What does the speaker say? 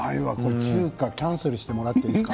中華、キャンセルしていただいていいですか？